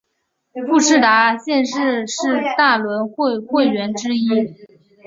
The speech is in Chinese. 富士达现时是大轮会会员之一。